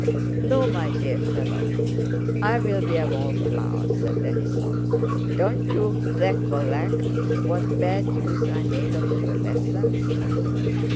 "No, my dear fellow, I'll be a wallflower," said Denísov. "Don't you wecollect what bad use I made of your lessons?"